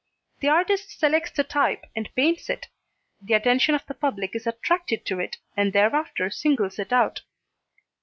The artist selects the type and paints it, the attention of the public is attracted to it and thereafter singles it out.